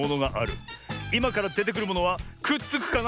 いまからでてくるものはくっつくかな？